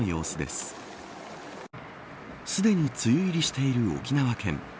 すでに梅雨入りしている沖縄県。